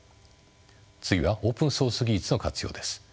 次はオープンソース技術の活用です。